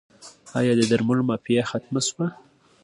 آیا د درملو مافیا ختمه شوه؟